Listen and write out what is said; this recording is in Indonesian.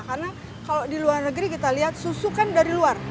karena kalau di luar negeri kita lihat susu kan dari luar